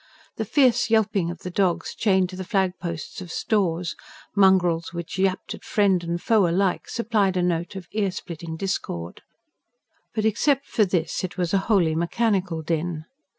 The fierce yelping of the dogs chained to the flag posts of stores, mongrels which yapped at friend and foe alike, supplied a note of earsplitting discord. But except for this it was a wholly mechanical din.